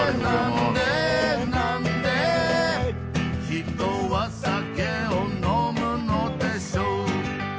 「人は酒を呑むのでしょう」